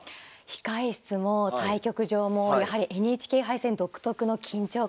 控え室も対局場もやはりＮＨＫ杯戦独特の緊張感がありますね。